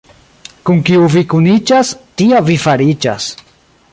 Kun kiu vi kuniĝas, tia vi fariĝas.